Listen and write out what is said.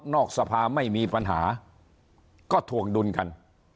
สภาไม่มีปัญหาก็ถวงดุลกัน